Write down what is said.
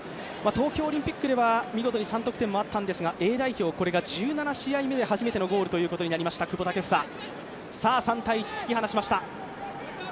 東京オリンピックでは３得点もあったんですがＡ代表、これが１７試合目で初めてのゴールとなりました久保建英、３−１で突き放しました。